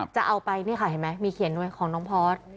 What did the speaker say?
จะเอาไปนี่ค่ะเห็นไหมมีเขียนด้วยของน้องพอร์ต